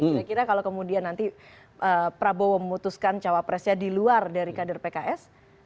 saya kira kalau kemudian nanti prabowo memutuskan cawapresnya di luar dari kader pks